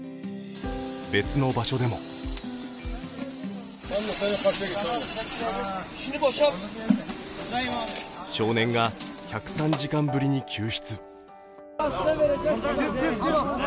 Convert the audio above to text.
別の場所でも少年が１０３時間ぶりに救出。